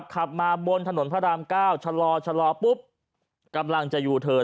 ขับมาบนถนนพระราม๙ชะลอปุ๊บกำลังจะยูเทิน